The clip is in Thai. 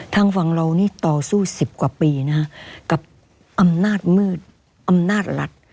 ทั้งฝั่งเราต่อสู้สิบกว่าปีนะกับอำนาจมืดอำนาจรัตย์